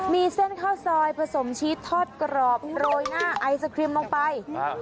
มีเส้นข้าวซอยผสมชีสทอดกรอบโรยหน้าไอศครีมลงไป